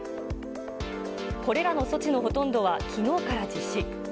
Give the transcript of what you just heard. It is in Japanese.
これらの措置のほとんどは、きのうから実施。